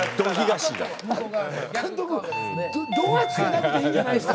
監督「ど」は付けなくていいんじゃないですか。